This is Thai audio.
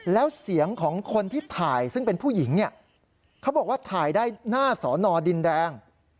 แล้วเสียงของคนที่ถ่ายซึ่งเป็นผู้หญิงเนี่ยเขาบอกว่าถ่ายได้หน้าสอนอดินแดง